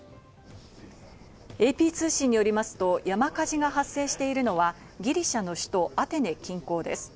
ＡＰ通信によりますと山火事が発生しているのはギリシャの首都アテネ近郊です。